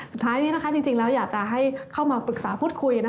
สุดท้ายนี้จริงแล้วอยากจะให้เข้ามาปรึกษาพูดคุย